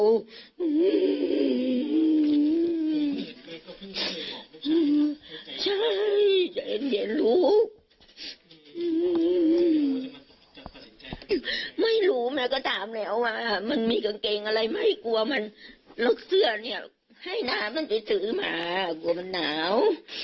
ไม่รู้แม่ก็ถามแล้วว่ามันมีกางเกงอะไรไม่กลัวมันลกเสื้อเนี่ยให้น้ำมันไปซื้อมากลัวมันหนาว